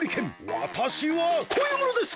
わたしはこういうものです！